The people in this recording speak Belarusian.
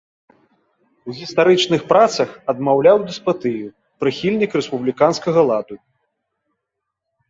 У гістарычных працах адмаўляў дэспатыю, прыхільнік рэспубліканскага ладу.